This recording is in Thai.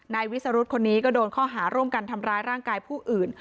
วิสรุธคนนี้ก็โดนข้อหาร่วมกันทำร้ายร่างกายผู้อื่น